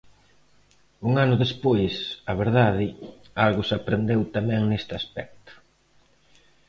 Un ano despois, a verdade, algo se aprendeu tamén neste aspecto.